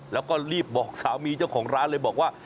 แล้วก็รีบบอกสามีเจ้าของร้านเลยบอกว่า